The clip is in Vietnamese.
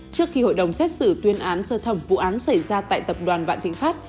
trước khi hội đồng xét xử tuyên án sơ thẩm vụ án xảy ra tại tập đoàn vạn thịnh pháp